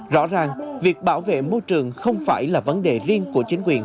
rõ ràng việc bảo vệ môi trường không phải là vấn đề riêng của chính quyền